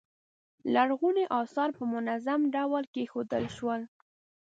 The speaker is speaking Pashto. لرغوني اثار په منظم ډول کیښودل شول.